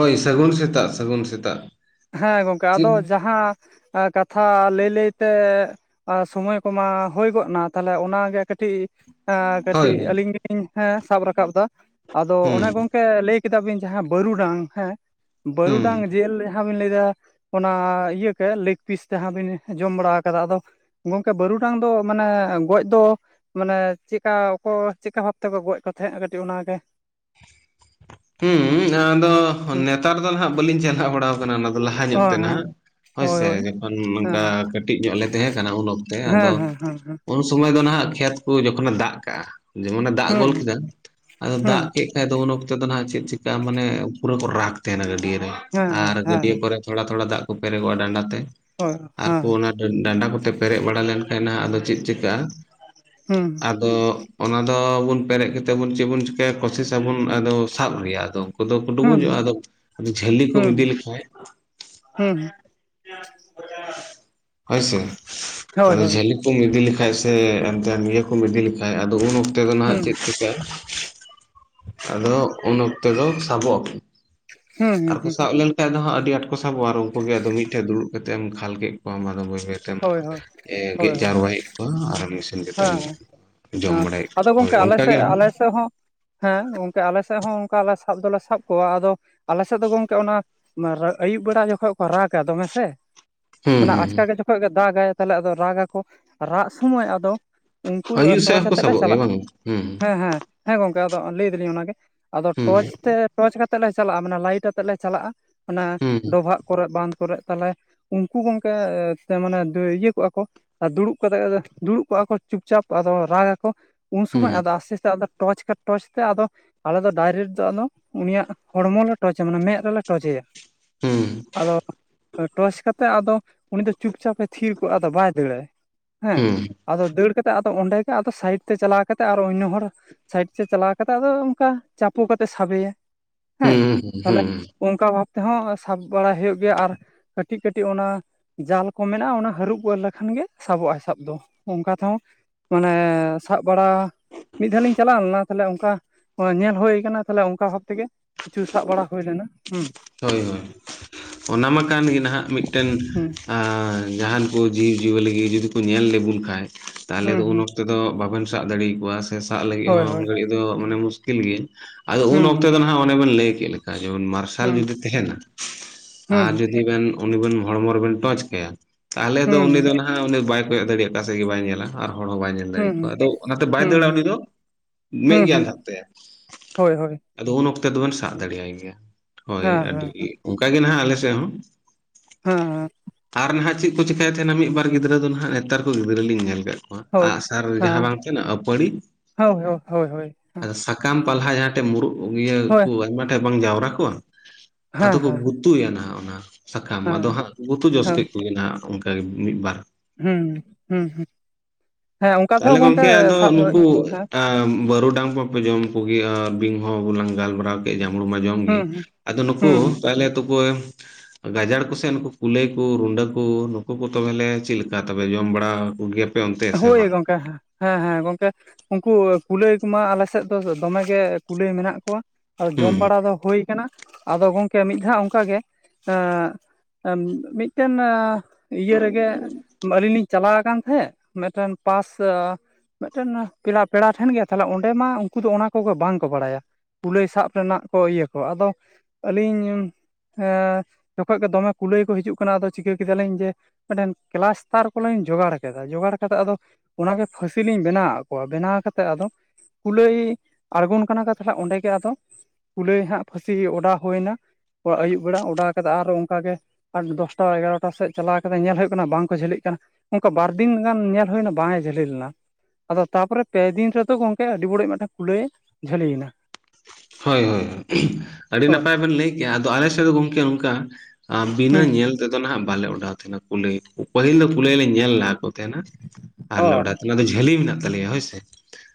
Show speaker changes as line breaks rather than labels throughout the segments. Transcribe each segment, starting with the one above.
ᱦᱳᱭ ᱥᱟᱹᱜᱩᱱ ᱥᱮᱛᱟᱜ ᱥᱟᱹᱜᱩᱱ ᱥᱮᱛᱟᱜ᱾
ᱦᱮᱸ ᱜᱚᱝᱠᱮ
ᱪᱮᱫ
ᱟᱫᱚ ᱡᱟᱦᱟᱸ ᱮ ᱠᱟᱛᱷᱟ ᱞᱟᱹᱭ ᱞᱟᱹᱭᱛᱮ, ᱟ ᱥᱚᱢᱚᱭ ᱠᱚᱢᱟ ᱦᱩᱭ ᱜᱚᱫ ᱮᱱᱟ ᱛᱟᱞᱦᱮ ᱚᱱᱟᱜᱮ ᱠᱟᱹᱴᱤᱡ ᱟ
ᱦᱳᱭ
ᱠᱟᱹᱴᱤᱡ
ᱦᱳᱭ
ᱟᱞᱤᱧ ᱜᱮᱞᱤᱧ ᱦᱮᱸ ᱥᱟᱵ ᱨᱟᱠᱟᱵ ᱫᱟ ᱟᱫᱚ
ᱦᱩᱸ
ᱚᱱᱟ ᱜᱚᱝᱠᱮ ᱞᱟᱹᱭ ᱠᱮᱫᱟᱵᱤᱱ ᱡᱟᱦᱟᱸ ᱵᱟᱹᱨᱩᱰᱟᱝ ᱦᱮᱸ, ᱵᱟᱹᱨᱩᱰᱟᱝ ᱡᱮᱞ ᱡᱟᱦᱟᱸ ᱵᱤᱱ ᱞᱟᱹᱭᱫᱟ ᱚᱱᱟ ᱤᱭᱟᱹ ᱠᱮ ᱞᱮᱜ ᱯᱤᱥ ᱡᱟᱦᱟᱸ ᱵᱤᱱ ᱡᱚᱢ ᱵᱟᱲᱟ ᱠᱟᱫᱟ ᱟᱫᱚ ᱜᱚᱝᱠᱮ ᱵᱟᱹᱨᱩᱰᱟᱝ ᱫᱚ ᱢᱟᱱᱮ ᱜᱚᱡ ᱫᱚ ᱢᱟᱱᱮ ᱪᱮᱫᱠᱟ ᱚᱠᱚᱭ ᱪᱮᱫᱠᱟ ᱵᱷᱟᱵᱛᱮ ᱯᱮ ᱜᱚᱡ ᱠᱚ ᱛᱟᱦᱮᱸᱫ-ᱟ ᱠᱟᱹᱴᱤᱡ ᱚᱱᱟᱜᱮ?
ᱦᱩᱸ ᱟᱫᱚ ᱱᱮᱛᱟᱨ ᱫᱚ ᱱᱟᱦᱟᱜ ᱵᱟᱹᱞᱤᱧ ᱪᱟᱞᱟᱣ ᱵᱟᱲᱟᱣ ᱠᱟᱱᱟ ᱚᱱᱟ ᱫᱚ ᱞᱟᱦᱟ
ᱚ
ᱧᱚᱜ ᱛᱮ
ᱦᱮᱸ
ᱱᱟᱦᱟᱜ᱾ ᱦᱳᱭ ᱥᱮ ᱡᱚᱠᱷᱚᱱ
ᱦᱮᱸ
ᱚᱱᱠᱟ ᱠᱟᱹᱴᱤᱡ ᱧᱚᱜ ᱞᱮ ᱛᱟᱦᱮᱸ ᱠᱟᱱᱟ ᱩᱱ ᱚᱠᱛᱮ ᱟᱫᱚ
ᱦᱮᱸ ᱦᱮᱸ ᱦᱮᱸ ᱦᱩᱸ
ᱩᱱ ᱥᱚᱢᱚᱭ ᱫᱚ ᱱᱟᱦᱟᱜ ᱠᱷᱮᱛ ᱠᱚ ᱡᱚᱠᱷᱚᱱᱮ ᱫᱟᱜ ᱠᱟᱜᱼᱟ ᱡᱮᱢᱚᱱᱮ ᱫᱟᱜ
ᱦᱩᱸ
ᱜᱚᱫ ᱠᱮᱫᱟ ᱟᱫᱚ
ᱦᱩᱸ
ᱫᱟᱜ [unintelligible] ᱫᱚ ᱩᱱ ᱚᱠᱛᱮ ᱫᱚ ᱱᱟᱜ ᱪᱮᱫ ᱪᱤᱠᱠᱟ ᱢᱟᱱᱮ ᱯᱩᱨᱟᱹ ᱠᱚ ᱨᱟᱜ ᱛᱟᱦᱮᱱᱟ ᱜᱟᱹᱰᱭᱟᱹ ᱨᱮ
ᱦᱮᱸ
ᱟᱨ ᱜᱟᱹᱰᱭᱟᱹ
ᱦᱮᱸ
ᱠᱚᱨᱮ ᱛᱷᱚᱲᱟ ᱛᱷᱚᱲᱟ ᱫᱟᱜ ᱠᱚ ᱯᱮᱨᱮᱜᱚᱜᱼᱟ ᱰᱟᱸᱰᱟ ᱛᱮ
ᱦᱮᱸ ᱦᱳᱭ
ᱟᱨ ᱠᱚ
ᱦᱮᱸ
ᱚᱱᱟ ᱰᱟ ᱰᱟᱸᱰᱟ ᱠᱚᱛᱮ ᱯᱮᱨᱮᱜ ᱵᱟᱲᱟ ᱞᱮᱱᱠᱷᱟᱡ ᱱᱟᱦᱟᱜ ᱟᱫᱚ ᱪᱮᱫ ᱪᱤᱠᱟᱹᱜᱼᱟ
ᱦᱩᱸ
ᱟᱫᱚ ᱚᱱᱟ ᱫᱚ ᱵᱚᱱ ᱯᱮᱨᱮᱜ ᱠᱟᱛᱮ ᱵᱚᱱ ᱪᱮᱫ ᱵᱚᱱ ᱪᱤᱠᱟᱹᱭᱟ ᱠᱚᱥᱮᱥᱟᱵᱩᱱ ᱟᱫᱚ ᱥᱟᱵ ᱨᱮᱭᱟᱜ ᱟᱫᱚ᱾ ᱠᱚᱫᱚ ᱠᱚ ᱰᱩᱵᱩᱡᱚᱜᱼᱟ
ᱦᱩᱸ
ᱟᱫᱚ ᱡᱷᱟᱹᱞᱤ ᱠᱚᱢ
ᱦᱩᱸ
ᱤᱫᱤ ᱞᱮᱠᱷᱟᱱ
ᱦᱩᱸ
ᱦᱳᱭ ᱥᱮ,
ᱦᱳᱭ
ᱟᱫᱚ
ᱦᱳᱭ
ᱡᱷᱟᱹᱞᱤ [unintelligible] ᱤᱫᱤ ᱞᱮᱠᱷᱟᱱᱡ ᱥᱮ ᱮᱱᱛᱮ ᱱᱤᱭᱟᱹ ᱠᱚᱢ ᱤᱫᱤ ᱞᱮᱠᱷᱟᱱᱡ ᱟᱫᱚ ᱩᱱ ᱚᱠᱛᱮ ᱫᱚ ᱱᱟᱦᱟᱜ
ᱦᱩᱸ
ᱪᱮᱫ ᱪᱤᱠᱟᱹᱼᱟ? ᱟᱫᱚ ᱩᱱ ᱚ ᱛᱚ ᱫᱚ ᱥᱟᱵᱚᱜ ᱟᱠᱚ᱾
ᱦᱩᱸ ᱦᱩᱸ
ᱟᱨ ᱠᱚ
ᱦᱩᱸ
ᱥᱟᱵ ᱞᱮᱱᱠᱷᱟᱡ ᱟᱫᱚ ᱦᱟᱸᱜ ᱟᱹᱰᱤ ᱟᱸᱴ ᱠᱚ ᱥᱟᱵᱚᱜᱼᱟ ᱟᱨ ᱩᱱᱠᱩ ᱜᱮ ᱟᱫᱚ ᱢᱤᱫᱴᱮᱡ ᱫᱩᱲᱩᱵ ᱠᱟᱛᱮᱜ ᱮᱢ ᱠᱷᱟᱞ ᱠᱮᱫ ᱠᱚᱣᱟᱢ ᱟᱫᱚ [inaudible] ᱥᱮᱢ
ᱦᱳᱭ ᱦᱳᱭ
ᱮᱸ
ᱦᱳᱭ
ᱜᱮᱫ
ᱦᱳᱭ
ᱡᱟᱣᱨᱟᱭᱮᱫ ᱠᱚᱣᱟ ᱟᱨ
ᱦᱮᱸ ᱮᱸ ᱟᱫᱚ
ᱦᱳᱭ
ᱜᱚᱝᱠᱮ ᱟᱞᱮ
ᱚᱱᱠᱟᱜᱮ
ᱥᱮᱫ
ᱦᱩᱸ
ᱟᱞᱮ ᱥᱮᱫ ᱦᱚᱸ ᱦᱮᱸ ᱜᱚᱝᱠᱮ ᱟᱞᱮ ᱥᱮᱫ ᱦᱚᱸ ᱚᱱᱠᱟ ᱞᱮ ᱥᱟᱵ ᱫᱚᱞᱮ ᱥᱟᱵ ᱠᱚᱣᱟ ᱟᱫᱚ ᱟᱞᱮ ᱥᱮᱫ ᱫᱚ ᱜᱚᱝᱠᱮ ᱚᱱᱟ ᱢᱮ ᱨᱮ ᱟᱹᱭᱩᱵ ᱵᱮᱲᱟ ᱡᱚᱠᱷᱚᱡ ᱠᱚ ᱨᱟᱜᱟ ᱫᱚᱢᱮ ᱥᱮ᱾ ᱢᱟᱱᱮ
ᱦᱩᱸ
ᱟᱪᱠᱟ ᱜᱮ ᱡᱚᱠᱷᱚᱡ ᱜᱮ ᱫᱟᱜᱟᱭ ᱛᱟᱦᱚᱞᱮ ᱟᱫᱚ ᱨᱟᱜᱟᱠᱚ ᱨᱟᱜ ᱥᱚᱢᱚᱭ ᱟᱫᱚ ᱩᱱᱠᱩ ᱫᱚ
ᱟᱹᱭᱩᱵ ᱥᱮᱫ
ᱴᱚᱪ
ᱦᱚᱸᱠᱚ
ᱟᱛᱮᱫ ᱞᱮ
ᱥᱟᱵᱚᱜ ᱜᱮᱭᱟ
ᱪᱟᱞᱟᱜᱼᱟ,
ᱵᱟᱝ ᱦᱩᱸ
ᱦᱮᱸ ᱦᱮᱸ᱾ ᱦᱮᱸ ᱜᱚᱢᱠᱮ ᱟᱫᱚ ᱞᱟᱹᱭ ᱫᱟᱞᱤᱧ ᱚᱱᱟᱜᱮ ᱟᱫᱚ
ᱦᱩᱸ
ᱴᱚᱨᱪ ᱛᱮ ᱴᱚᱨᱪ ᱠᱟᱛᱮᱜ ᱞᱮ ᱪᱟᱞᱟᱜᱼᱟ ᱢᱟᱱᱮ ᱞᱟᱭᱤᱴ ᱟᱛᱮᱜ ᱞᱮ ᱪᱟᱞᱟᱜᱼᱟ ᱟᱱᱮ
ᱦᱩᱸ
ᱰᱚᱵᱷᱟᱜ ᱠᱚᱨᱮ ᱵᱟᱸᱫ ᱠᱚᱨᱮ ᱛᱟᱞᱮ ᱩᱱᱠᱩ ᱜᱚᱢᱠᱮ ᱢᱟᱱᱮ ᱤᱭᱟᱹ ᱠᱚᱜᱼᱟ ᱠᱚ ᱟᱨ ᱫᱩᱲᱩᱵ ᱠᱟᱛᱮᱜ ᱫᱩᱲᱩᱵ ᱠᱚᱜᱼᱟ ᱠᱚ ᱾ ᱪᱩᱯᱪᱟᱯ ᱟᱫᱚ ᱨᱟᱜᱟᱠᱚ ᱩᱱ ᱥᱚᱢᱚᱭ
ᱦᱩᱸ
ᱟᱫᱚ ᱟᱥᱛᱮ ᱟᱥᱛᱮ ᱟᱫᱚ ᱴᱚᱪ ᱴᱚᱪ ᱛᱮ ᱟᱫᱚ ᱟᱞᱮ ᱫᱚ ᱰᱟᱭᱨᱮᱠᱴ ᱫᱚ ᱟᱫᱚ ᱩᱱᱤᱭᱟᱜ ᱦᱚᱲᱢᱚ ᱞᱮ ᱴᱚᱪ-ᱟ ᱢᱟᱱᱮ ᱢᱮᱫ ᱨᱮᱞᱮ ᱴᱚᱪᱮᱭᱟ
ᱦᱩᱸ
᱾ ᱟᱫᱚ ᱴᱚᱨᱪ ᱠᱟᱛᱮᱫ ᱟᱫᱚ ᱩᱱᱤ ᱫᱚ ᱪᱩᱯᱪᱟᱯ ᱮ ᱛᱷᱤᱨ ᱠᱚᱜᱼᱟ ᱟᱫᱚ ᱵᱟᱭ ᱫᱟᱹᱲᱟᱭ ᱦᱮᱸ
ᱦᱩᱸ
᱾ ᱟᱫᱚ ᱫᱟᱹᱲ ᱠᱟᱛᱮᱜ ᱟᱫᱚ ᱚᱸᱰᱮ ᱜᱮ ᱟᱫᱚ ᱥᱟᱭᱤᱰ ᱛᱮ ᱪᱟᱞᱟᱣ ᱠᱟᱛᱮ ᱟᱨᱚ ᱚᱱᱳ ᱦᱚᱲ ᱥᱟᱭᱤᱰ ᱛᱮ ᱪᱟᱞᱟᱣ ᱠᱟᱛᱮᱜ ᱟᱫᱚ ᱚᱱᱠᱟ ᱪᱟᱯᱚ ᱠᱟᱛᱮᱜ ᱥᱟᱵᱮᱭᱟ ᱦᱮᱸ
ᱦᱩᱸ ᱦᱩᱸ
ᱛᱟᱦᱞᱮ
ᱦᱩᱸ
ᱚᱱᱠᱟ ᱵᱷᱟᱵ ᱛᱮᱦᱚᱸ ᱥᱟᱵ ᱵᱟᱲᱟ ᱦᱩᱭᱩᱜ ᱜᱮᱭᱟ ᱟᱨ ᱠᱟᱹᱴᱤᱡ ᱠᱟᱹᱴᱤᱡ ᱚᱱᱟ ᱡᱟᱞ ᱠᱚ ᱢᱮᱱᱟᱜᱼᱟ ᱚᱱᱟ ᱦᱟᱹᱨᱩᱵ ᱜᱚᱫ ᱞᱮᱠᱷᱟᱱ ᱜᱮ ᱥᱟᱵᱚᱜᱼᱟ ᱥᱟᱵ ᱫᱚ ᱚᱱᱠᱟ ᱛᱮᱦᱚᱸ ᱢᱟᱱᱮ ᱥᱟᱵ ᱵᱟᱲᱟ ᱢᱤᱫ ᱫᱷᱟᱣ ᱞᱤᱧ ᱪᱟᱞᱟᱣ ᱞᱮᱱᱟ ᱛᱟᱦᱞᱮ ᱚᱱᱠᱟ ᱧᱮᱞ ᱦᱩᱭ ᱠᱟᱱᱟ ᱛᱟᱦᱚᱞᱮ ᱚᱱᱠᱟ ᱵᱷᱟᱵ ᱛᱮᱜᱮ ᱠᱤᱪᱷᱩ ᱥᱟᱵ ᱵᱟᱲᱟ ᱦᱩᱭ ᱞᱮᱱᱟ ᱦᱩᱸ
ᱦᱳᱭ ᱦᱳᱭ ᱚᱱᱟ ᱢᱟ ᱠᱟᱱ ᱜᱮ ᱱᱟᱦᱟᱜ ᱢᱤᱫᱴᱮᱱ
ᱦᱩᱸ
ᱡᱟᱦᱟᱱ ᱠᱚ ᱡᱤᱣᱤᱡᱤᱭᱟᱹᱞᱤ ᱡᱩᱫᱤ ᱠᱚ ᱧᱮᱞ ᱞᱮᱵᱩᱞ ᱠᱷᱟᱱᱡ ᱛᱟᱦᱚᱞᱮ
ᱦᱩᱸ
ᱫᱚ ᱩᱱ
ᱦᱩᱸ
ᱚᱠᱛᱚ ᱛᱮᱫᱚ ᱵᱟᱵᱮᱱ ᱥᱟᱵ ᱫᱟᱲᱮ ᱟᱠᱚᱣᱟ ᱥᱮ ᱥᱟᱵ ᱞᱟᱹᱜᱤᱫ
ᱦᱳᱭ
ᱦᱚᱸ
ᱦᱳᱭ
ᱜᱷᱟᱹᱲᱤᱡ ᱫᱚ ᱢᱟᱱᱮ ᱢᱩᱥᱠᱤᱞ ᱜᱮᱭᱟ ᱾ ᱟᱫᱚ ᱩᱱ
ᱦᱩᱸ
ᱚᱠᱛᱚ
ᱦᱩᱸ
ᱫᱚ ᱱᱟᱦᱟᱜ ᱚᱱᱮ ᱵᱮᱱ ᱞᱟᱹᱭ ᱠᱮᱫ ᱞᱮᱠᱟ ᱡᱮ ᱢᱟᱥ [unintelligible] ᱠᱷᱟᱞ
ᱦᱩᱸ
ᱡᱩᱫᱤ ᱛᱟᱦᱮᱱᱟ ᱟᱨ
ᱦᱩᱸ
ᱡᱩᱫᱤ ᱵᱮᱱ ᱩᱱᱤᱵᱮᱱ ᱦᱚᱲᱢᱚ ᱨᱮᱵᱮᱱ ᱴᱚᱪ ᱠᱟᱭᱟ ᱛᱟᱦᱚᱞᱮ ᱫᱚ ᱩᱱᱤ ᱫᱚ
ᱦᱩᱸ
ᱱᱟᱦᱟᱜ ᱩᱱᱤ ᱵᱟᱭ ᱠᱚᱭᱚᱜ ᱫᱟᱲᱮᱭᱟᱜ ᱚᱠᱟᱥᱮᱫ ᱜᱮ ᱵᱟᱭ ᱧᱮᱞᱟ ᱟᱨ ᱦᱚᱲ ᱦᱚᱸ ᱵᱟᱭ ᱧᱮᱞ
ᱦᱩᱸ
ᱫᱟᱲᱮᱣᱟ ᱠᱟ
ᱦᱩᱸ
ᱟᱫᱚ ᱚᱱᱟᱛᱮ ᱵᱟᱭ
ᱦᱩᱸ ᱦᱩᱸ
ᱫᱟᱹᱲᱟ ᱩᱱᱤ ᱫᱚ ᱢᱮᱫ
ᱦᱩᱸ
ᱜᱮ
ᱦᱩᱸ
ᱟᱸᱫᱷᱟᱜ ᱛᱟᱭᱟ
ᱦᱳᱭ ᱦᱳᱭ
᱾ ᱟᱫᱚ ᱩᱱ ᱚᱠᱛᱚ ᱫᱚᱵᱮᱱ ᱥᱟᱵ ᱫᱟᱲᱮᱭᱟᱭ ᱜᱮᱭᱟ᱾ ᱦᱳᱭ
ᱦᱮᱸ
ᱟᱹᱰᱤ
ᱦᱮᱸ
ᱚᱱᱠᱟᱜᱮ ᱱᱟᱦᱟᱜ ᱟᱞᱮ ᱥᱮᱫ ᱦᱚᱸ᱾
ᱦᱮᱸ ᱦᱮᱸ
ᱟᱨ ᱱᱟᱦᱟᱜ ᱪᱮᱫ ᱠᱚ ᱪᱮᱠᱟᱹᱭᱮᱫ ᱛᱟᱦᱮᱱᱟ ᱢᱤᱫᱵᱟᱨ ᱜᱤᱫᱽᱨᱟᱹ ᱫᱚ ᱱᱟᱦᱟᱜ ᱱᱮᱛᱟᱨ ᱠᱚ ᱜᱤᱫᱽᱨᱟᱹ ᱞᱤᱧ ᱧᱮᱞ ᱠᱮᱫ
ᱦᱳᱭ
ᱟᱸᱜᱥᱟᱨ ᱡᱟᱦᱟᱸ
ᱦᱮᱸ
ᱵᱟᱝ ᱪᱟᱞᱟᱜ-ᱟ ᱯᱟᱨᱤ
ᱦᱳᱭ ᱦᱳᱭ ᱦᱳᱭ ᱦᱳᱭ
ᱟᱫᱚ ᱥᱟᱠᱟᱢ ᱯᱟᱞᱦᱟ ᱡᱟᱦᱟᱸ ᱴᱷᱮᱱ ᱢᱩᱨᱩᱫ ᱤᱭᱟᱹ ᱠᱚ
ᱦᱮᱸ
ᱟᱭᱢᱟ ᱴᱷᱮᱱ ᱵᱟᱝ ᱡᱟᱣᱨᱟ ᱠᱚᱜ-ᱟ ᱟᱫᱚ ᱠᱚ
ᱦᱮᱸ
ᱜᱩᱛᱩᱭᱟ ᱱᱟᱦᱟᱸᱜ ᱚᱱᱟ ᱥᱟᱠᱟᱢ ᱟᱫᱚ
ᱦᱮᱸ
ᱦᱟᱸᱜ ᱜᱩᱛᱩ ᱡᱚᱥ
ᱦᱮᱸ
ᱠᱮᱫ ᱜᱮ ᱱᱟᱦᱟᱸᱜ ᱚᱱᱠᱟᱜᱮ ᱢᱤᱫ ᱵᱟᱨ
ᱦᱩᱸ ᱦᱩᱸ ᱦᱩᱸ ᱦᱮᱸ ᱚᱱᱠᱟ ᱛᱮᱦᱚᱸ ᱜᱚᱝᱠᱮ ᱥᱟᱵ‌ ᱫᱚ ᱤᱭᱟ
ᱮ ᱵᱟᱹᱨᱩ ᱰᱟᱝ ᱢᱟ ᱯᱮ ᱡᱚᱢ ᱠᱚᱜᱮᱭᱟ ᱟᱨ ᱵᱤᱧ ᱦᱚᱸ ᱵᱚᱞᱟᱝ ᱜᱟᱞᱢᱟᱨᱟᱣ ᱠᱮᱫ ᱡᱟᱢᱵᱽᱲᱩ ᱢᱟ ᱡᱚᱢ
ᱦᱮᱸ
ᱜᱮ
ᱦᱮᱸ
ᱟᱫᱚ ᱱᱩᱠᱩ ᱛᱟᱦᱞᱮ ᱛᱚᱠᱚ ᱜᱟᱡᱟᱲ ᱠᱚᱥᱮᱫ ᱱᱩᱠᱩ ᱠᱩᱞᱟᱹᱭ ᱠᱚ ᱨᱩᱰᱟᱹ ᱠᱚ ᱱᱩᱠᱩ ᱠᱚ ᱛᱚᱵᱮᱞᱮ ᱪᱮᱫ ᱞᱮᱠᱟ ᱛᱚᱵᱮ ᱡᱚᱢ ᱵᱟᱲᱟ ᱠᱚ ᱜᱮᱭᱟᱯᱮ?
ᱦᱳᱭ ᱜᱚᱝᱠᱮ ᱦᱮᱸ ᱦᱮᱸ ᱦᱮᱸ ᱜᱚᱝᱠᱮ ᱩᱱᱠᱩ ᱠᱩᱞᱟᱹᱭ ᱠᱚᱢᱟ ᱟᱞᱮ ᱥᱮᱫ ᱫᱚ ᱫᱚᱢᱮᱜ ᱜᱮ ᱠᱩᱞᱟᱹᱭ ᱢᱮᱱᱟᱜ ᱠᱚᱣᱟ᱾ ᱚ ᱡᱚᱢ
ᱦᱩᱸ
ᱵᱟᱲᱟ ᱫᱚ ᱦᱳᱭ ᱠᱟᱱᱟ ᱟᱫᱚ ᱜᱚᱝᱠᱮ ᱢᱤᱫ ᱫᱷᱟᱣ ᱚᱱᱠᱟᱜᱮ ᱢᱤᱫᱴᱮᱱ ᱤᱭᱟᱹ ᱨᱮᱜᱮ ᱟᱹᱞᱤᱧ ᱞᱤᱧ ᱪᱟᱞᱟᱣ ᱟᱠᱟᱱ ᱛᱟᱦᱮᱸᱫ ᱢᱤᱫᱴᱮᱱ ᱯᱟᱥ ᱢᱤᱫᱴᱮᱱ ᱯᱤᱲᱟ ᱯᱮᱲᱟ ᱴᱷᱮᱱ ᱜᱮ ᱛᱟᱦᱚᱞᱮ ᱚᱸᱰᱮ ᱢᱟ ᱩᱱᱠᱩ ᱫᱚ ᱚᱱᱟ ᱠᱚᱜᱮ ᱵᱟᱝᱠᱚ ᱵᱟᱲᱟᱭᱟ ᱠᱩᱞᱟᱹᱭ ᱥᱟᱵ ᱨᱮᱱᱟᱜ ᱠᱚ ᱤᱭᱟᱹ ᱠᱚ ᱟᱫᱚ ᱟᱹᱞᱤᱧ ᱦᱮ ᱡᱚᱠᱷᱚᱡ ᱜᱮ ᱫᱚᱢᱮ ᱠᱩᱞᱟᱹᱭ ᱠᱚ ᱦᱤᱡᱩᱜ ᱠᱟᱱᱟ ᱟᱫᱚ ᱪᱤᱠᱟᱹ ᱠᱮᱫᱟᱞᱤᱧ ᱡᱮ ᱢᱤᱫᱴᱮᱱ ᱠᱮᱞᱟᱥᱴᱟᱨ ᱠᱚᱞᱤᱧ ᱡᱚᱜᱟᱲ ᱠᱮᱫ ᱡᱚᱜᱟᱲ ᱠᱟᱛᱮᱜ ᱟᱫᱚ ᱚᱱᱟᱜᱮ ᱯᱷᱟᱹᱥᱤ ᱞᱤᱧ ᱵᱮᱱᱟᱣᱟᱫ ᱠᱚᱣᱟ ᱵᱮᱱᱟᱣ ᱠᱟᱛᱮ ᱟᱫᱚ ᱠᱩᱞᱟᱹᱭ ᱟᱬᱜᱚᱱ ᱠᱟᱱᱟ ᱠᱚ ᱛᱟᱦᱚᱞᱮ ᱚᱸᱰᱮ ᱜᱮ ᱟᱫᱚ ᱠᱩᱞᱟᱹᱭ ᱦᱟᱸᱜ ᱯᱷᱟᱹᱥᱤ ᱚᱰᱟᱣ ᱦᱩᱭ ᱮᱱᱟ᱾ ᱟᱹᱭᱩᱵ ᱵᱮᱲᱟ ᱚᱰᱟᱣ ᱠᱟᱛᱮ ᱟᱨᱚ ᱚᱱᱠᱟᱜᱮ ᱟᱴ ᱫᱚᱥᱴᱟ ᱮᱜᱟᱨᱚᱴᱟ ᱥᱮᱫ ᱪᱟᱞᱟᱣ ᱠᱟᱛᱮ ᱧᱮᱞ ᱦᱳᱭᱳᱜ ᱠᱟᱱᱟ ᱵᱟᱝ ᱠᱚ ᱡᱷᱟᱹᱞᱤᱜ ᱠᱟᱱᱟ ᱾ ᱚᱱᱠᱟ ᱵᱟᱨ ᱥᱤᱧ ᱜᱟᱱ ᱧᱮᱞ ᱦᱩᱭ ᱮᱱᱟ ᱵᱟᱝ ᱮ ᱡᱷᱟᱹᱞᱤ ᱞᱮᱱᱟ ᱾ ᱟᱫᱚ ᱛᱟᱯᱚᱨᱮ ᱯᱮ ᱫᱤᱱ ᱨᱮᱫᱚ ᱜᱚᱝᱠᱮ ᱟᱹᱰᱤ ᱵᱟᱲᱚᱤᱡ ᱢᱤᱫᱴᱟᱝ ᱠᱩᱞᱟᱹᱭᱮ ᱡᱷᱟᱹᱞᱤᱭᱮᱱᱟ ᱾
ᱦᱳᱭ ᱦᱳᱭ ᱦᱳᱭ ᱟᱹᱰᱤ
ᱦᱳᱭ
ᱱᱟᱯᱟᱭ ᱵᱮᱱ ᱞᱟᱹᱭ ᱠᱮᱜᱼᱟ ᱾ ᱟᱫᱚ ᱟᱞᱮ ᱥᱮᱫ ᱫᱚ ᱜᱚᱝᱠᱮ ᱱᱚᱝᱠᱟ ᱟᱨ ᱵᱤᱱᱟᱹ
ᱦᱩᱸ
ᱧᱮᱞ ᱛᱮᱫᱚ ᱱᱟᱦᱱᱟᱜ ᱵᱟᱞᱮ ᱚᱰᱟᱣ ᱛᱟᱦᱮᱸᱱᱟ ᱠᱩᱞᱟᱹᱭ ᱾ ᱯᱟᱹᱦᱤᱞ ᱫᱚ ᱠᱩᱞᱟᱹᱭ ᱞᱮ ᱧᱮᱞ ᱞᱟᱦᱟ ᱠᱚ ᱛᱟᱦᱮᱱᱟ [inaudible] ᱟᱨ
ᱚ
ᱞᱮ ᱚᱰᱟᱣ ᱛᱟᱦᱮᱸᱱᱟ [unintelligible] ᱡᱷᱟᱹᱞᱤ ᱢᱮᱱᱟᱜ ᱛᱟᱞᱮᱭᱟ ᱦᱳᱭᱥᱮ ᱾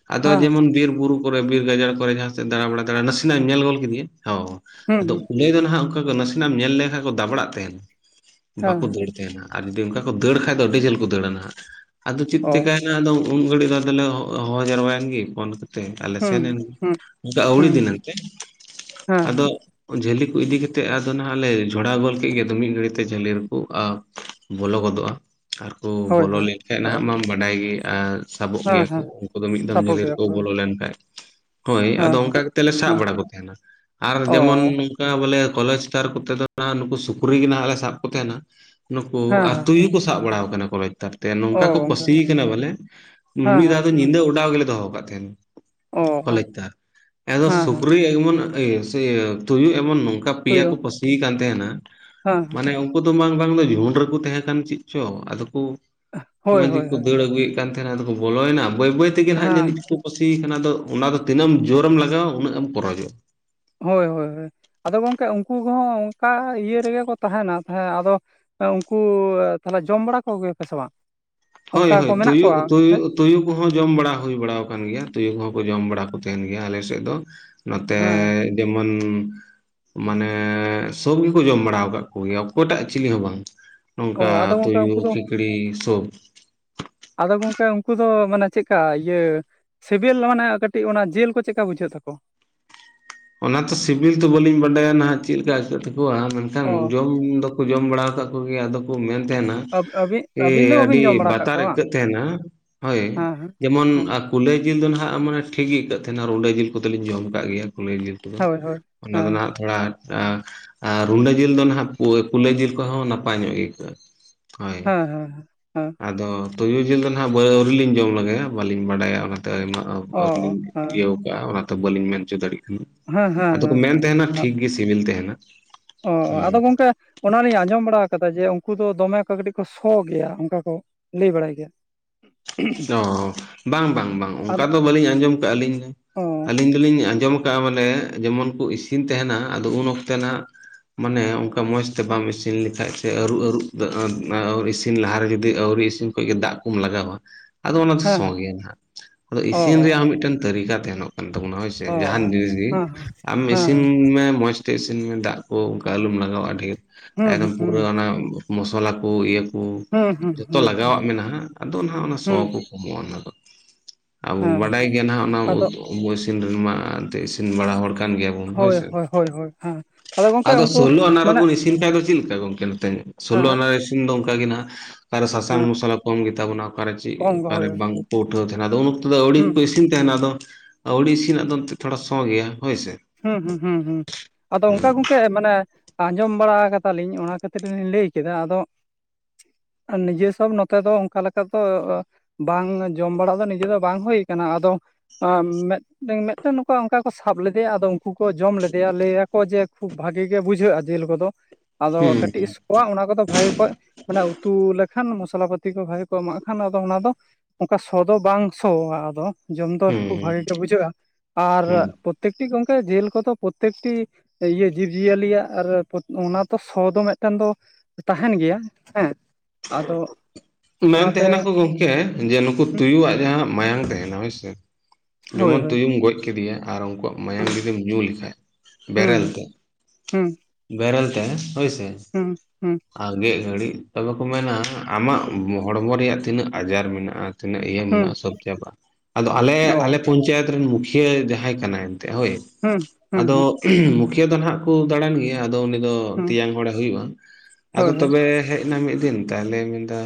ᱟᱫᱚ
ᱦᱮᱸ
ᱡᱮᱢᱚᱱ ᱵᱤᱨ ᱵᱩᱨᱩ ᱠᱚᱨᱮ ᱵᱤᱨ ᱜᱟᱡᱟᱲ ᱠᱚᱨᱮ ᱡᱟᱦᱟᱸᱥᱮᱫ ᱫᱟᱬᱟ ᱵᱟᱲᱟ ᱫᱟᱲᱟ ᱱᱟᱥᱮᱱᱟᱜ-ᱮᱢ ᱧᱮᱞ ᱜᱚᱫ ᱠᱮᱫᱮᱭᱟ ᱾ ᱦᱚ ᱾
ᱦᱩᱸ
ᱟᱫᱚ
ᱦᱩᱸ
ᱠᱩᱞᱟᱹᱭ ᱫᱚ ᱱᱟᱦᱟᱸᱜ ᱚᱱᱠᱟ ᱜᱮ ᱱᱟᱥᱮᱱᱟᱜ ᱮᱢ ᱧᱮᱞ ᱞᱮᱠᱷᱟᱡ ᱠᱚ ᱫᱟᱵᱲᱟᱜ ᱛᱟᱦᱮᱱ, [inaudible]
ᱦᱮᱸ
ᱵᱟᱠᱚ ᱫᱟᱹᱲᱟ ᱾ ᱛᱟᱦᱮᱱᱟ ᱟᱨ ᱡᱩᱫᱤ ᱚᱱᱠᱟ ᱠᱚ ᱫᱟᱹᱲ ᱠᱷᱟᱡ ᱫᱚ ᱟᱹᱰᱤ ᱡᱷᱟᱹᱞ ᱠᱚ ᱫᱟᱹᱲᱟ ᱱᱟᱦᱟᱜ ᱾ ᱟᱫᱚ ᱪᱮᱫ
ᱚ
ᱪᱤᱠᱟᱭᱮᱱᱟ ᱟᱫᱚ ᱩᱱ ᱜᱷᱟᱹᱲᱤᱡ ᱫᱚ ᱟᱫᱚᱞᱮ ᱦᱚᱦᱚ ᱡᱟᱨᱣᱟᱭᱮᱱ ᱜᱮ ᱯᱷᱚᱱ ᱠᱟᱛᱮ ᱟᱨᱞᱮ
ᱦᱩᱸ
ᱥᱮᱱ ᱮᱱ ᱜᱮ
ᱦᱩᱸ
᱾ ᱵᱟᱝᱠᱷᱟᱡ ᱟᱹᱣᱲᱤ
ᱦᱩᱸ
ᱫᱤᱱᱟᱹᱝ ᱛᱮ [inaudible]
ᱦᱮᱸ
ᱟᱫᱚ ᱡᱷᱟᱹᱞᱤ ᱠᱚ ᱤᱫᱤ ᱠᱟᱛᱮᱫ ᱟᱫᱚ ᱱᱟᱦᱟᱜ ᱞᱮ ᱡᱷᱚᱲᱟᱣ ᱜᱚᱫ ᱠᱮᱫ ᱜᱮ, ᱟᱫᱚ ᱢᱤᱫ ᱜᱷᱟᱹᱲᱤᱛᱮ ᱡᱷᱟᱹᱞᱤ ᱨᱮᱠᱚ ᱟ ᱵᱚᱞᱚ ᱜᱚᱫᱚᱜᱼᱟ ᱾ ᱟᱨᱠᱚ
ᱦᱳᱭ
ᱵᱚᱞᱚ
ᱦᱳᱭ
ᱞᱮᱱᱠᱷᱟᱡ
ᱚ
ᱱᱟᱦᱟᱜ ᱢᱟᱢ ᱵᱟᱰᱟᱭ ᱜᱮ ᱟᱨ ᱥᱟᱵᱚᱜ
ᱦᱮᱸ
ᱜᱮᱭᱟ ᱠᱚ
ᱦᱮᱸ
ᱩᱱᱠᱩ ᱫᱚ ᱢᱤᱫ ᱫᱚᱢ
ᱥᱟᱵᱚᱜ
ᱡᱷᱟᱞᱤ
ᱜᱮᱭᱟ
ᱨᱮᱠᱚ
ᱠᱚ
ᱵᱚᱞᱚ ᱞᱮᱱᱠᱷᱟᱡ ᱾ [inaudible] ᱦᱳᱭ ᱟᱫᱚ
ᱦᱮᱸ ᱦᱮᱸ
ᱚᱱᱠᱟ ᱜᱮ ᱜᱮᱞᱮ ᱥᱟᱵ
ᱦᱮᱸ
ᱵᱟᱲᱟ ᱠᱚ ᱛᱟᱦᱮᱱᱟ ᱾ [inaudible] ᱟᱨ
ᱚ
ᱡᱮᱢᱚᱱ ᱚᱝᱠᱟ ᱵᱚᱞᱮ ᱠᱚᱞᱮᱥᱴᱟᱨ ᱠᱚᱛᱮ ᱫᱚ ᱱᱟᱦᱟᱜ ᱱᱩᱠᱩ ᱥᱩᱠᱨᱤ ᱜᱮ ᱱᱟᱦᱟᱜ ᱞᱮ ᱥᱟᱵ ᱠᱚ ᱛᱟᱦᱮᱱᱟ ᱾ ᱱᱩᱠᱩ
ᱦᱮᱸ
ᱟᱨ
ᱦᱮᱸ
ᱛᱩᱭᱩ ᱠᱚ ᱥᱟᱵ ᱵᱟᱲᱟᱣ ᱟᱠᱟᱱᱟ ᱠᱚ ᱱᱮᱛᱟᱨ ᱾ ᱛᱮ
ᱚ
ᱱᱚᱝᱠᱟ ᱠᱚ
ᱜᱚᱝᱠᱮ
ᱯᱟᱹᱥᱤ ᱟᱠᱟᱱᱟ ᱵᱚᱞᱮ [inaudible]
ᱦᱮᱸ
ᱢᱤᱫ ᱫᱷᱟᱣ
ᱦᱮᱸ
ᱫᱚ ᱧᱤᱫᱟᱹ ᱚᱰᱟᱣ ᱜᱮᱞᱮ ᱫᱚᱦᱚ ᱟᱠᱟᱫ ᱛᱟᱦᱮᱸᱱ ᱾
ᱚ
[inaudible] ᱠᱚᱞᱮᱡ ᱛᱟᱨ ᱟᱫᱚ
ᱦᱮᱸ ᱦᱮᱸ
ᱥᱩᱠᱨᱤ ᱮᱢᱚᱱ ᱤᱭᱟᱹ ᱥᱤᱭᱟᱹ ᱛᱩᱭᱩ ᱮᱢᱚᱱ ᱱᱚᱝᱠᱟ ᱯᱮᱭᱟ
ᱛᱩᱭᱩ
ᱠᱚ ᱯᱟᱹᱥᱤ ᱠᱟᱱ ᱛᱟᱦᱮᱱᱟ
ᱦᱮᱸ ᱦᱮᱸ
ᱢᱟᱱᱮ ᱩᱱᱠᱩ ᱫᱚ ᱵᱟᱝ ᱵᱟᱝ ᱫᱚ ᱡᱷᱩᱱ ᱨᱮᱠᱚ ᱛᱟᱦᱮᱸ ᱠᱟᱱ ᱪᱮᱫ ᱪᱚ, ᱟᱫᱚ ᱠᱚ
ᱦᱳᱭ
ᱢᱚᱡᱽ
ᱦᱳᱭ
ᱜᱮᱠᱚ
ᱦᱳᱭ
ᱫᱟᱹᱲ ᱟᱹᱜᱩᱭᱮᱫ ᱠᱟᱱ ᱛᱟᱦᱮᱱᱟ ᱟᱫᱚ ᱠᱚ ᱵᱚᱞᱚᱭᱮᱱᱟ ᱾ ᱵᱟᱹᱭ ᱵᱟᱹᱭ ᱛᱮᱜᱮ ᱱᱟᱦᱟᱸᱜ
ᱦᱮᱸ
ᱡᱟᱹᱱᱤᱡ ᱠᱚ ᱯᱟᱹᱥᱤ ᱟᱠᱟᱱᱟ ᱾ ᱟᱫᱚ ᱚᱱᱟ ᱫᱚ ᱛᱤᱱᱟᱹᱜ ᱮᱢ ᱡᱳᱨᱮᱢ ᱞᱟᱜᱟᱣᱟ ᱩᱱᱟᱹᱜ ᱮᱢ [unintelligible] ᱾
ᱦᱳᱭ ᱦᱳᱭ ᱦᱳᱭ ᱾ ᱟᱫᱚ ᱜᱚᱝᱠᱮ ᱩᱱᱠᱩ ᱠᱚᱦᱚᱸ ᱚᱱᱠᱟ ᱤᱭᱟᱹ ᱨᱮᱜᱮ ᱠᱚ ᱛᱟᱦᱮᱱᱟ ᱛᱟᱦᱮᱸ ᱟᱫᱚ ᱩᱱᱠᱩ ᱛᱟᱦᱚᱞᱮ ᱡᱚᱢ ᱵᱟᱲᱟ ᱠᱚ ᱜᱮᱭᱟᱯᱮ ᱥᱮ ᱵᱟᱝ?
ᱦᱳᱭ
ᱚᱱᱠᱟ ᱠᱚ
ᱦᱳᱭ,
ᱢᱮᱱᱟᱜ
ᱛᱩᱭᱩ
ᱠᱚᱣᱟ
ᱛᱩᱭᱩ
ᱦᱮᱸ
ᱛᱩᱭᱩ ᱠᱚᱦᱚᱸ ᱡᱚᱢ ᱵᱟᱲᱟ ᱦᱩᱭ ᱵᱟᱲᱟ ᱟᱠᱟᱱ ᱜᱮᱭᱟ ᱾ ᱛᱩᱭᱩ ᱠᱚᱦᱚᱸ ᱠᱚ ᱡᱚᱢ ᱵᱟᱲᱟ ᱠᱚ ᱛᱟᱦᱮᱱ ᱜᱮᱭᱟ ᱟᱞᱮ ᱥᱮᱫ ᱫᱚ ᱾ ᱱᱚᱛᱮᱻ
ᱦᱮᱸ
ᱡᱮᱢᱚᱱ ᱢᱟᱱᱮ ᱥᱚᱵ ᱜᱮᱠᱚ ᱡᱚᱢ ᱵᱟᱲᱟ ᱟᱠᱟᱫ ᱠᱚᱜᱮᱭᱟ ᱚᱠᱚᱭᱴᱟᱜ ᱪᱤᱞᱤ ᱦᱚᱸ ᱵᱟᱝ ᱾
ᱚ
ᱱᱚᱝᱠᱟ
ᱟᱫᱚ ᱜᱚᱝᱠᱮ
ᱛᱩᱭᱩ
ᱩᱱᱠᱩ ᱫᱚ
ᱠᱷᱤᱠᱲᱤ ᱥᱚᱵ ᱾
ᱟᱫᱚ ᱜᱚᱝᱠᱮ ᱩᱱᱠᱩ ᱫᱚ ᱢᱟᱱᱮ ᱪᱮᱫᱠᱟ ᱤᱭᱟᱹ ᱥᱤᱵᱤᱞ ᱢᱟᱱᱮ ᱠᱟᱹᱴᱤᱡ ᱚᱱᱟ ᱡᱤᱞ ᱠᱚ ᱪᱮᱜᱠᱟ ᱵᱩᱡᱷᱟᱹᱜ ᱛᱟᱠᱚ?
ᱚᱱᱟ ᱛᱚ ᱥᱤᱵᱤᱞ ᱫᱚ ᱵᱟᱹᱞᱤᱧ ᱵᱟᱰᱟᱭᱟ ᱱᱟᱦᱟᱜ ᱪᱮᱫ ᱞᱮᱠᱟ ᱟᱹᱭᱠᱟᱹᱜ ᱛᱟᱠᱚᱣᱟ ᱢᱮᱱᱠᱷᱟᱱ
ᱚ
ᱡᱚᱢ ᱫᱚᱠᱚ ᱡᱚᱢ ᱵᱟᱲᱟ ᱟᱠᱟᱜ ᱠᱚᱜᱮᱭᱟ ᱾ ᱟᱫᱚ ᱠᱚ ᱢᱮᱱ ᱛᱟᱦᱮᱱᱟ
ᱟᱵ- ᱟᱹᱵᱤᱱ
ᱮ
ᱟᱹᱵᱤᱱ ᱫᱚ ᱵᱟᱹᱵᱤᱱ
ᱟᱹᱰᱤ
ᱡᱚᱢ ᱵᱟᱲᱟ ᱠᱟᱜ
ᱵᱟᱛᱟᱨ
ᱠᱚᱣᱟ
ᱟᱹᱭᱠᱟᱹᱜ ᱛᱟᱦᱮᱱᱟ ᱦᱳᱭ
ᱵᱟᱝ ᱦᱮᱸ ᱦᱮᱸ
᱾ ᱡᱮᱢᱚᱱ
ᱦᱮᱸ
ᱠᱩᱞᱟᱹᱭ ᱡᱤᱞ ᱫᱚ ᱱᱟᱦᱟᱜ ᱢᱟᱱᱮ ᱴᱷᱤᱠ ᱜᱮ ᱟᱹᱭᱠᱟᱹᱜ ᱛᱟᱦᱮᱱᱟ᱾ ᱨᱩᱸᱰᱟᱹ ᱡᱤᱞ ᱠᱚᱫᱚᱞᱤᱧ ᱡᱚᱢ ᱟᱠᱟᱫ ᱜᱮᱭᱟ ᱾ ᱠᱩᱞᱟᱹᱭ ᱡᱤᱞ ᱠᱚᱫᱚ
ᱦᱳᱭ ᱦᱳᱭ
[inaudible] ᱚᱱᱟ ᱫᱚ
ᱦᱮᱸ
ᱱᱟᱦᱟᱜ ᱛᱷᱚᱲᱟ, ᱟ ᱨᱩᱸᱰᱟᱹ ᱡᱤᱞ ᱫᱚ ᱱᱟᱦᱟᱜ ᱠᱩᱞᱟᱹᱭ ᱡᱤᱞ ᱠᱚᱦᱚᱸ ᱱᱟᱯᱟᱭ ᱧᱚᱜ ᱜᱮ ᱟᱹᱭᱠᱟᱹᱜᱼᱟ ᱾ ᱦᱳᱭ ᱾
ᱦᱮᱸ ᱦᱮᱸ ᱦᱮᱸ ᱦᱮᱸ
[inaudible] ᱟᱨ ᱟᱫᱚ ᱛᱩᱭᱩ ᱡᱤᱞ ᱫᱚ ᱱᱟᱦᱟᱜ ᱟᱹᱣᱨᱤ ᱞᱤᱧ ᱡᱚᱢ ᱞᱮᱜᱟᱭᱟ ᱵᱟᱞᱤᱧ ᱵᱟᱰᱟᱭᱟ ᱾ ᱚᱱᱟᱛᱮ ᱟᱭᱢᱟ
ᱚ
ᱟᱹᱣᱨᱤ
ᱚ
ᱞᱤᱧ
ᱦᱮᱸ
ᱤᱭᱟᱹᱣ ᱠᱟᱜᱼᱟ ᱾ ᱚᱱᱟ ᱛᱮ ᱵᱟᱹᱞᱤᱧ ᱢᱮᱱ ᱦᱚᱪᱚ ᱫᱟᱲᱮᱭᱟᱜ ᱠᱟᱱᱟ ᱾
ᱦᱮᱸ
[inaudible]
ᱦᱮᱸ
ᱟᱫᱚ ᱠᱚ
ᱦᱮᱸ
ᱢᱮᱱ
ᱦᱮᱸ
ᱛᱟᱦᱮᱱᱟ ᱴᱷᱤᱠ ᱜᱮ ᱥᱤᱵᱤᱞ ᱛᱟᱦᱮᱱᱟ ᱾
ᱚ-ᱚ ᱾ᱟᱫᱚ ᱜᱚᱝᱠᱮ ᱚᱱᱟᱞᱤᱧ ᱟᱸᱡᱚᱢ ᱵᱟᱲᱟ ᱟᱠᱟᱫᱟ, ᱡᱮ ᱩᱱᱠᱩ ᱫᱚ ᱫᱚᱢᱮ ᱠᱚ ᱠᱟᱹᱴᱤᱡ ᱠᱚ ᱥᱚ ᱜᱮᱭᱟ ᱚᱱᱠᱟ ᱠᱚ ᱞᱟᱹᱭ ᱵᱟᱲᱟᱭ ᱜᱮᱭᱟ ᱾
ᱥᱚᱻ ᱵᱟᱝ ᱵᱟᱝ ᱵᱟᱝ, ᱚᱱᱠᱟ
ᱟᱫᱚ
ᱫᱚ ᱵᱟᱹᱞᱤᱧ ᱟᱸᱡᱚᱢ ᱠᱟᱜᱼᱟ ᱟᱹᱞᱤᱧ ᱫᱚ,
ᱚ
ᱟᱹᱞᱤᱧ ᱫᱚᱞᱤᱧ ᱟᱸᱡᱚᱢ ᱼᱼ ᱠᱟᱜᱼᱟ, ᱢᱟᱱᱮ ᱡᱮᱢᱚᱱ ᱠᱚ ᱤᱥᱤᱱ ᱛᱟᱦᱮᱱᱟ, ᱟᱫᱚ ᱩᱱ ᱚᱠᱛᱮ ᱱᱟᱦᱟᱜ ᱼᱼ ᱢᱟᱱᱮ ᱚᱱᱠᱟ ᱢᱚᱸᱡᱽ ᱛᱮ ᱵᱟᱢ ᱤᱥᱤᱱ ᱞᱮᱠᱷᱟᱡ, ᱥᱮ ᱟᱹᱨᱩᱵ ᱟᱹᱨᱩᱵ ᱛᱮ [unintelligible] ᱤᱥᱤᱱ ᱞᱟᱦᱟᱨᱮ, ᱡᱩᱫᱤ ᱟᱹᱣᱨᱤ ᱤᱥᱤᱱ ᱼᱼ ᱠᱷᱚᱡ ᱜᱮ ᱫᱟᱜ ᱠᱚᱢ ᱞᱟᱜᱟᱣᱟ, ᱟᱫᱚ ᱚᱱᱟ ᱫᱚ
ᱦᱮᱸ
ᱥᱚ
ᱦᱮᱸ
ᱜᱮᱭᱟ ᱱᱷᱟᱜ, ᱟᱫᱚ
ᱚ
ᱤᱥᱤᱱ ᱨᱮᱭᱟᱜ ᱦᱚᱸ ᱢᱤᱫᱴᱮᱱ ᱛᱟᱹᱨᱤᱠᱟ ᱛᱟᱦᱮᱱᱚᱜ ᱠᱟᱱ ᱛᱟᱵᱚᱱᱟ। ᱦᱳᱭ ᱥᱮ᱾
ᱚ
ᱡᱟᱦᱟᱱ ᱡᱤᱱᱤᱥ ᱜᱤ
ᱦᱮᱸ
ᱟᱢ ᱤᱥᱤᱱ
ᱦᱮᱸ
ᱢᱮ ᱢᱚᱸᱡᱽ ᱼᱼ ᱛᱮ ᱤᱥᱤᱱ ᱢᱮ, ᱫᱟᱜ ᱠᱚ ᱚᱱᱠᱟ ᱟᱞᱚᱢ ᱞᱟᱜᱟᱣᱟ ᱰᱷᱮᱨ,
ᱦᱮᱸ
ᱮᱠᱫᱚᱢ ᱯᱩᱨᱟᱹ
ᱦᱮᱸ
ᱚᱱᱟ ᱢᱚᱥᱞᱟ ᱠᱚ ᱤᱭᱟᱹ ᱦᱩᱸ,
ᱦᱮᱸ ᱦᱮᱸ ᱦᱮᱸ
ᱡᱷᱚᱛᱚ ᱞᱟᱜᱟᱣᱟᱜ ᱢᱮᱱᱟᱜᱼᱟ, ᱟᱫᱚ ᱱᱟᱦᱟᱜ ᱚᱱᱟ ᱥᱚ
ᱦᱮᱸ
ᱠᱚ ᱠᱚᱢᱚᱜᱼᱟ ᱚᱱᱟ ᱫᱚ। ᱟᱵᱚ
ᱦᱮᱸ
ᱵᱟᱰᱟᱭ ᱜᱮᱭᱟ ᱱᱟᱦᱟᱜ ᱚᱱᱟ ᱩ
ᱟᱫᱚ
[unintelligible] ᱤᱥᱤᱱ [unintelligible] ᱤᱥᱤᱱ ᱵᱟᱲᱟ ᱦᱚᱲ ᱼᱼ ᱠᱟᱱ ᱜᱮᱭᱟ ᱰᱚᱱ ᱦᱳᱭ ᱥᱮ।
ᱦᱳᱭ ᱦᱳᱭ ᱦᱮᱸ ᱜᱚᱝᱠᱮ
ᱟᱫᱚ
ᱩᱱᱠᱩ
ᱥᱳᱞᱳ ᱟᱱᱟ ᱨᱮ
ᱢᱟᱱᱮ
ᱵᱚᱱ ᱤᱥᱼᱼ ᱤᱱ ᱫᱚ ᱪᱮᱫ ᱞᱮᱠᱟ ᱜᱚᱝᱠᱮ ᱱᱛᱮ ᱥᱳᱞᱳ
ᱦᱮᱸ
ᱟᱱᱟ ᱤᱥᱤᱱ ᱫᱚ ᱚᱱᱠᱟ ᱜᱮ ᱱᱟᱦᱟᱜ ᱥᱟᱥᱟᱝ
ᱦᱮᱸ
ᱢᱚᱥᱞᱟ ᱼᱼ ᱠᱚᱢ ᱜᱮ ᱛᱟᱵᱚᱱᱟ, ᱚᱠᱟᱨᱮ ᱪᱮᱫ
ᱠᱚᱢ ᱜᱮ ᱦᱳᱭ
ᱚᱠᱟᱨᱮ ᱵᱟᱝᱠᱚ ᱩᱴᱷᱟᱹᱣ ᱛᱟᱦᱮᱱᱟ। ᱟᱫᱚ ᱩᱱ ᱚᱠᱛᱚ ᱫᱚ ᱟᱹᱣᱲᱤ
ᱦᱩᱸ
ᱠᱚ ᱤᱥᱤᱱ ᱛᱟᱦᱮᱱᱟ। ᱟᱫᱚ ᱼᱼ ᱟᱹᱣᱲᱤ ᱤᱥᱤᱱᱟᱜ ᱫᱚ, ᱮᱱᱛᱮ ᱛᱷᱚᱲᱟ ᱥᱚ ᱜᱮᱭᱟ ᱦᱳᱭ ᱥᱮ।
ᱦᱩᱸ ᱦᱩᱸ, ᱦᱩᱸ ᱦᱩᱸ ᱟᱫᱚ ᱚᱱᱠᱟ ᱜᱚᱝᱠᱮ, ᱢᱟᱱᱮ ᱼᱼ ᱟᱸᱡᱚᱢ ᱵᱟᱲᱟ ᱠᱟᱫᱟᱞᱤᱧ, ᱚᱱᱟ ᱠᱷᱟᱹᱛᱤᱨ ᱞᱤᱧ ᱞᱟᱹᱭ ᱠᱮᱫᱟ। ᱟᱫᱚ ᱼᱼ ᱱᱤᱡᱮᱥᱚᱵ ᱱᱚᱛᱮ ᱫᱚ, ᱚᱱᱠᱟ ᱞᱮᱠᱟ ᱫᱚ ᱵᱟᱝ ᱡᱚᱢ ᱵᱟᱲᱟ ᱫᱚ, ᱱᱤᱡᱮ ᱫᱚ ᱵᱟᱝ ᱦᱩᱭᱩ ᱠᱟᱱᱟ, ᱟᱫᱚ ᱼᱼ ᱟᱸ ᱡᱮᱫ ᱢᱮᱫᱴᱮᱝ ᱢᱮᱫᱴᱟᱝ ᱱᱚᱝᱠᱟ ᱚᱱᱠᱟ ᱠᱚ ᱥᱟᱵ ᱞᱮᱫᱼᱼ ᱮᱭᱟ, ᱟᱫᱚ ᱩᱱᱠᱩ ᱠᱚ ᱡᱚᱢ ᱞᱮᱫᱮᱭᱟ, ᱞᱟᱹᱭᱟᱠᱚ ᱡᱮ ᱠᱷᱩᱵ ᱵᱷᱟᱜᱮ ᱜᱮ ᱵᱩᱡᱷᱟᱹᱜᱼᱟ ᱡᱮᱞ ᱠᱚᱫᱚ। ᱟᱫᱚ
ᱦᱩᱸ
ᱠᱟᱹᱴᱤᱡ ᱥ ᱠᱚᱣᱟ, ᱚᱱᱟ ᱠᱚᱫᱚ ᱵᱷᱹᱟᱜᱤ ᱠᱚᱡ, ᱚᱱᱟ ᱩᱛᱩ ᱞᱮᱠᱷᱟᱱ। ᱢᱚᱥᱞᱟ ᱯᱟᱹᱛᱤ ᱠᱚ ᱵᱷᱹᱟᱜᱤ ᱠᱚ ᱮᱢᱟᱜ ᱠᱷᱟᱱ, ᱟᱫᱚ ᱚᱱᱟ ᱫᱚ ᱼᱼ ᱚᱱᱠᱟ ᱥᱚ ᱫᱚ ᱵᱟᱝ ᱥᱚᱣᱟ ᱟᱫᱚ, ᱡᱚᱢ ᱫᱚ ᱠᱷᱩᱵ
ᱦᱩᱸ
ᱵᱷᱟᱜᱤ ᱜᱮ ᱵᱩᱡᱷᱟᱹᱜᱼᱟ। ᱟᱨ
ᱦᱩᱸ
ᱛᱮᱠᱴᱤ ᱜᱚᱢᱠᱮ ᱡᱮᱞ ᱠᱚᱫᱚ ᱯᱨᱚᱛᱛᱮᱠᱴᱤ ᱤᱭᱟᱹ ᱡᱤᱵᱽᱼᱡᱤᱭᱟᱹᱞᱤᱭᱟᱜ, ᱟᱨ ᱚᱱᱟ ᱛᱚ ᱥᱚ ᱫᱚ ᱢᱤᱫᱴᱟᱱ ᱫᱚ ᱛᱟᱦᱮᱱ ᱜᱮᱭᱟ ᱦᱮᱸ। ᱟᱫᱚ
ᱢᱮᱱ
ᱚᱱᱟᱛᱮ
ᱛᱮᱦᱮᱱᱟᱠᱚ ᱜᱚᱝᱠᱮ ᱡᱮ ᱱᱩᱠᱩ ᱛᱩᱭᱩᱣᱟᱜ ᱡᱟᱦᱟᱸ ᱢᱟᱭᱟᱝ ᱛᱟᱦᱮᱱᱟ ᱦᱳᱭ ᱥᱮ,
ᱦᱳᱭ
ᱡᱮᱢᱚᱱ
ᱦᱳᱭ
ᱛᱩᱭᱩᱢ ᱜᱚᱡ ᱠᱮᱫᱮᱭᱟ, ᱟᱨ ᱩᱱᱠᱩᱣᱟᱜ ᱢᱟᱭᱟᱢ
ᱦᱩᱸ
ᱡᱩᱫᱤᱢ ᱧᱩ ᱞᱮᱠᱷᱟᱡ ᱵᱮᱨᱮᱞ
ᱦᱩᱸ
ᱛᱮ,
ᱦᱩᱸ।
ᱵᱮᱨᱮᱞ ᱛᱮ, ᱦᱳᱭ ᱥᱮ।
ᱦᱩᱸ ᱦᱩᱸ।
ᱟᱨᱜᱮᱫ ᱜᱷᱟᱹᱲᱤᱡ, ᱛᱚᱵᱮ ᱠᱚ ᱢᱮᱱᱟ ᱟᱢᱟᱜ ᱦᱚᱲᱢᱚ ᱨᱮᱭᱟᱜ ᱛᱤᱱᱟᱹᱜ ᱟᱡᱟᱨ ᱢᱮᱱᱟᱜᱼᱟ ᱛᱤᱱᱟᱹᱜ ᱤᱭᱟᱹ
ᱦᱩᱸ
ᱢᱮᱱᱟᱜᱼᱟ ᱥᱚᱵ ᱪᱟᱵᱟᱜᱼᱟ। ᱟᱫᱚ ᱟᱞᱮ ᱟᱞᱮ
ᱚ
ᱯᱚᱧᱪᱟᱭᱮᱛ ᱨᱮᱱ ᱢᱩᱠᱷᱤᱭᱟᱹ ᱡᱟᱦᱟᱸᱭ ᱠᱟᱱᱟᱭ, ᱛᱮ ᱦᱳᱭ,
ᱦᱩᱸ ᱦᱩᱸ
ᱟᱫᱚ
ᱦᱩᱸ
ᱢᱩᱠᱷᱤᱭᱟᱹ ᱫᱚ ᱱᱟᱦᱟᱜ ᱠᱚ ᱫᱟᱬᱟᱱ ᱜᱮᱭᱟ, ᱟᱫᱚ ᱩᱱᱤ ᱫᱚ ᱼᱼ
ᱦᱩᱸ
ᱛᱮᱭᱟᱝ ᱦᱚᱲᱮ ᱦᱩᱭᱩᱜᱼᱟ, ᱟᱫᱚ
ᱦᱳᱭ ᱦᱳᱭ
ᱛᱚᱵᱮ ᱦᱮᱡ ᱮᱱᱟ ᱢᱤᱫ ᱫᱤᱱ। ᱛᱟᱦᱟᱞᱮ ᱢᱮᱱᱫᱟ,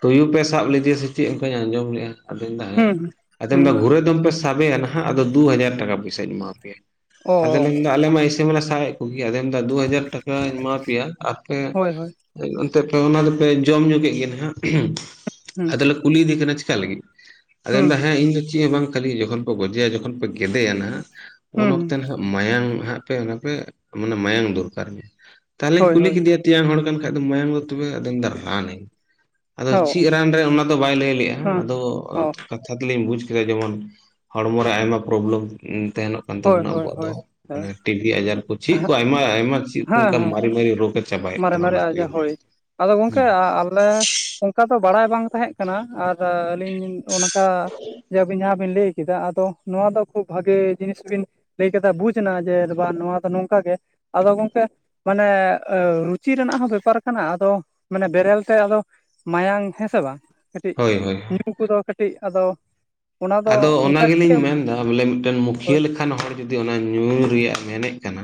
ᱛᱩᱭᱩ ᱯᱮ ᱥᱟᱵ ᱞᱮᱫᱮᱭᱟ ᱥᱮ ᱪᱮᱫ? ᱚᱱᱠᱟᱧ ᱟᱸᱡᱚᱢ ᱞᱮᱜᱼᱟ। ᱟᱫᱚ ᱢᱮᱱᱫᱟ ᱦᱮᱸ,
ᱦᱩᱸ
ᱟᱫᱚ ᱢᱮᱱᱫᱟ
ᱦᱩᱸ
ᱜᱷᱩᱨᱮ ᱫᱚᱢ ᱯᱮ ᱥᱟᱵᱮᱭᱟ ᱱᱟᱦᱟᱜ, ᱟᱫᱚ ᱫᱩ ᱦᱟᱡᱟᱨ ᱴᱟᱠᱟ ᱯᱚᱭᱥᱟᱧ ᱮᱢᱟ ᱯᱮᱭᱟ। ᱟᱫᱚ
ᱚ
ᱞᱤᱧ ᱢᱮᱱ ᱮᱫᱟ, ᱟᱞᱮ ᱢᱟ ᱤᱥᱮᱢᱟᱞᱮ ᱥᱟᱵ ᱮᱜ ᱠᱚᱜᱮᱭᱟ, ᱟᱫᱚ ᱢᱮᱱ ᱮᱫᱟ ᱫᱩ ᱦᱟᱡᱟᱨ ᱴᱟᱠᱟ ᱟᱹᱧ ᱮᱢᱟ ᱯᱮᱭᱟ, ᱟᱨ ᱯᱮ
ᱦᱳᱭ ᱦᱳᱭ
ᱚᱱᱛᱮ ᱯᱮ ᱚᱱᱟ ᱫᱚᱯᱮ ᱡᱚᱢ ᱧᱩ ᱠᱮᱫ ᱜᱮ ᱱᱟᱦᱜ ᱾
ᱦᱩᱸ ᱾
ᱠᱩᱞᱤ ᱮᱫᱮ ᱠᱟᱱᱟ ᱪᱮᱠᱟ ᱞᱟᱹᱜᱤᱫ? ᱟᱫᱚ ᱢᱮᱱ ᱮᱫᱟ
ᱦᱩᱸ
ᱦᱮᱸ ᱤᱧ ᱫᱚ ᱪᱮᱫ ᱦᱚᱸ ᱵᱟᱝ ᱠᱷᱟᱹᱞᱤ ᱡᱚᱠᱷᱚᱱ ᱜᱚᱡᱮᱭᱟ ᱡᱚᱠᱷᱚᱱ ᱯᱮ ᱜᱮᱫᱮᱭᱟ ᱱᱟᱦᱜ, ᱩᱱ ᱚᱠᱛᱮ
ᱦᱩᱸ
ᱱᱟᱦᱟᱜ ᱢᱟᱭᱟᱝ ᱦᱟᱸᱜ ᱯᱮ ᱚᱱᱟ ᱯᱮ ᱢᱟᱱᱮ, ᱢᱟᱭᱟᱝ ᱫᱚᱨᱠᱟᱨ ᱤᱧᱟᱜ᱾ ᱛᱟᱦᱚᱞᱮᱧ
ᱦᱳᱭ
ᱠᱩᱞᱤ
ᱦᱳᱭ
ᱠᱮᱫᱮᱭᱟ, ᱛᱮᱭᱟᱝ ᱦᱚᱲ ᱠᱟᱱ ᱠᱷᱟᱡ ᱫᱚ ᱢᱟᱭᱟᱝ ᱫᱚ ᱛᱚᱵᱮ ᱟᱫᱚᱧ ᱢᱮᱱ ᱫᱚ ᱨᱟᱱ ᱟᱹᱧ, ᱟᱫᱚ
ᱚ
ᱪᱮᱫ ᱨᱟᱱ ᱨᱮ ᱚᱱᱟ ᱫᱚ ᱵᱟᱭ ᱞᱟᱹᱭ ᱞᱮᱫᱞᱜᱼᱟ ᱾
ᱦᱩᱸ
ᱟᱫᱚ
ᱚ
ᱠᱟᱛᱷᱟ ᱛᱮᱞᱤᱧ ᱵᱩᱡ ᱠᱮᱫᱟ, ᱡᱮᱢᱚᱱ ᱦᱚᱲᱢᱚ ᱨᱮ ᱟᱭᱢᱟ ᱯᱚᱨᱚᱵᱮᱞᱮᱢ ᱛᱟᱦᱮᱱᱜ ᱠᱟᱱ
ᱦᱳᱭ
ᱛᱟᱵᱚᱱᱟ
ᱦᱳᱭ
ᱟᱵᱚᱣᱟᱜ ᱫᱚ᱾
ᱦᱳᱭ ᱦᱮᱸ
ᱢᱟᱱᱮ ᱴᱤᱵᱤ ᱟᱡᱟᱨ ᱠᱚ ᱪᱮᱫ ᱠᱚ ᱟᱭᱢᱟ ᱟᱭᱢᱟ ᱪᱮᱫ ᱠᱚ
ᱦᱮᱸ
ᱚᱱᱠᱟ
ᱦᱮᱸ
ᱢᱟᱨᱮ ᱢᱟᱨᱮ ᱨᱳᱜᱽ᱾ ᱪᱟᱵᱟᱭᱮᱫ
ᱢᱟᱨᱮ
ᱠᱟᱱᱟ
ᱢᱟᱨᱮ
ᱚᱱᱟ ᱟᱹᱛᱩᱭᱮ
ᱟᱡᱟᱨ
ᱢᱮ᱾
ᱦᱳᱭ ᱟᱫᱚ ᱜᱚᱝᱠᱮ ᱟ-ᱟᱞᱮ ᱚᱱᱠᱟ ᱫᱚ ᱵᱟᱲᱟᱭ ᱵᱟᱝ ᱛᱟᱦᱮᱸᱜ ᱠᱟᱱᱟ, ᱟᱨ ᱟᱹᱞᱤᱧᱞᱤᱧ ᱚᱱᱠᱟ ᱡᱮ ᱟᱵᱤᱱ ᱡᱟᱦᱟᱸ ᱵᱤᱱ ᱞᱟᱹᱭ ᱠᱮᱫᱟ᱾ ᱟᱫᱚ ᱱᱚᱣᱟ ᱫᱚ ᱠᱷᱩᱵ ᱵᱷᱟᱜᱮ ᱡᱤᱱᱤᱥ ᱵᱤᱱ ᱞᱟᱹᱭᱠᱮᱫᱟ ᱵᱩᱡᱽ ᱮᱱᱟ ᱡᱮ ᱵᱟᱝ ᱱᱚᱣᱟ ᱫᱚ ᱱᱚᱝᱠᱟ ᱜᱮ᱾ ᱟᱫᱚ ᱜᱚᱝᱠᱮ ᱢᱟᱱᱮ ᱟ ᱨᱩᱪᱤ ᱨᱮᱱᱟᱜ ᱦᱚᱸ ᱵᱮᱯᱟᱨ ᱠᱟᱱᱟ ᱟᱫᱚ ᱢᱟᱱᱮ ᱵᱮᱨᱮᱞ ᱛᱮ ᱟᱫᱚ ᱢᱟᱭᱟᱝ ᱦᱮᱸ ᱥᱮ ᱵᱟᱝ᱾ ᱠᱟᱹᱴᱤᱡ
ᱦᱳᱭ ᱦᱳᱭ
ᱧᱩ ᱠᱚᱫᱚ ᱠᱟᱹᱴᱤᱡ ᱟᱫᱚ ᱚᱱᱟ ᱫᱚ
ᱟᱫᱚ ᱚᱱᱟ
ᱚᱱᱠᱟ
ᱜᱮᱞᱤᱧ ᱢᱮᱱᱫᱟ᱾ ᱟ ᱵᱚᱞᱮ ᱢᱤᱫᱴᱮᱱ ᱢᱩᱠᱷᱤᱭᱟᱹ
ᱦᱳᱭ
ᱞᱮᱠᱟᱱ ᱦᱚᱲ ᱡᱩᱫᱤ ᱚᱱᱟ ᱧᱩᱭ ᱨᱮᱭᱟᱜ-ᱮ ᱢᱮᱱᱮᱫ ᱠᱟᱱᱟ,